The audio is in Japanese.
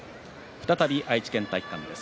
再び愛知県体育館です。